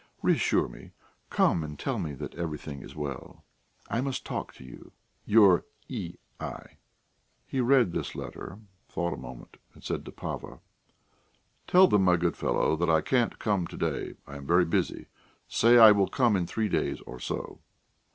Reassure me; come and tell me that everything is well. "I must talk to you. Your E. I." He read this letter, thought a moment, and said to Pava: "Tell them, my good fellow, that I can't come to day; I am very busy. Say I will come in three days or so."